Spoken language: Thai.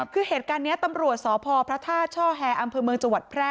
คือเหตุการณ์นี้ตำรวจสพพระธาตุช่อแฮอำเภอเมืองจังหวัดแพร่